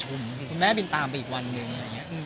ใจเราคิดอย่างไรมันก็รู้